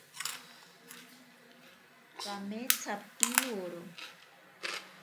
Kametsa piworo.